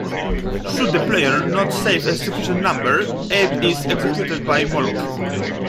Should the player not save a sufficient number, Abe is executed by Molluck.